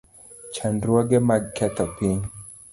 Chandruoge mag ketho piny